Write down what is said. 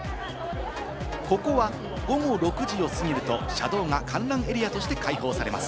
ここは午後６時を過ぎると車道が観覧エリアとして開放されます。